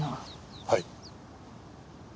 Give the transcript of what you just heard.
はい。